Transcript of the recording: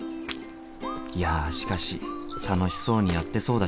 いやしかし楽しそうにやってそうだしな。